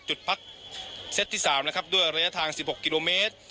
จุดพักเซตที่๓นะครับด้วยระยะทาง๑๖กิโลเมตร